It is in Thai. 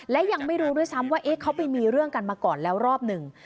และยังไม่รู้ด้วยซ้ำว่าเขาไปมีเรื่องกันมาก่อนแล้วรอบหนึ่ง